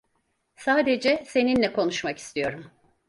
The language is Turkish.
Sadece seninle konuşmak istiyorum.